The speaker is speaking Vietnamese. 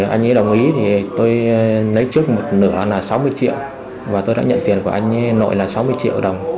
anh ấy đồng ý thì tôi lấy trước một nửa là sáu mươi triệu và tôi đã nhận tiền của anh nội là sáu mươi triệu đồng